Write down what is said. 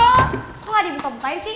kok lagi muntah muntahin sih